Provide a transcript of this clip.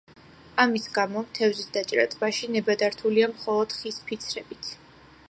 ამის გამო, თევზის დაჭერა ტბაში ნებადართულია მხოლოდ ხის ფიცრებით.